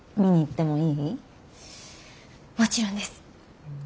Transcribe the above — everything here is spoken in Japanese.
もちろんです。